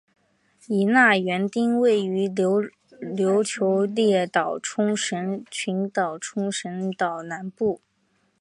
与那原町位于琉球列岛冲绳群岛冲绳岛南部。